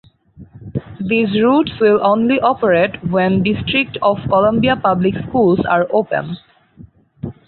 These routes will only operate when District of Columbia Public Schools are open.